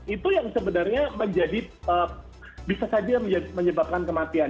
itu yang sebenarnya menjadi bisa saja menyebabkan kematian